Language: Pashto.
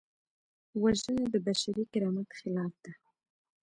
وژنه د بشري کرامت خلاف ده